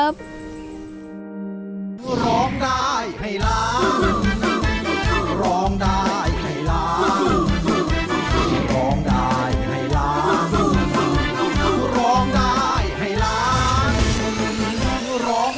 โดยลองได้ให้ล้าง